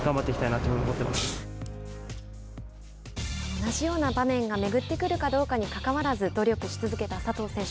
同じような場面が巡ってくるかどうかにかかわらず努力し続けた佐藤選手